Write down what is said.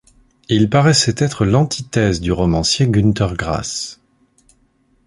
Il paraissait être l'antithèse du romancier Günter Grass.